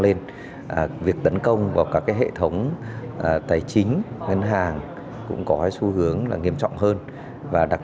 lên việc tấn công vào các hệ thống tài chính ngân hàng cũng có xu hướng là nghiêm trọng hơn và đặc